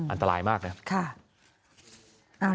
อันตรายมากนะครับ